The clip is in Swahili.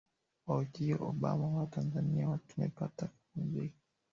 wa ujio wa Obama Watanzania tumepata kupumzika